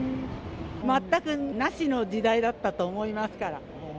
全くなしの時代だったと思いますから。